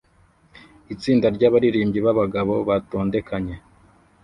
Itsinda ryabaririmbyi babagabo batondekanye